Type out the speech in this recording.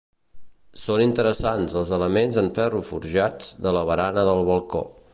Són interessants els elements en ferro forjats de la barana del balcó.